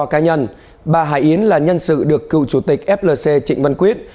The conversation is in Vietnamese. trong thời gian bà hải yến là nhân sự được cựu chủ tịch flc trịnh văn quyết